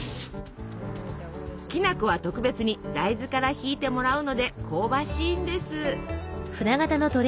きな粉は特別に大豆からひいてもらうので香ばしいんです。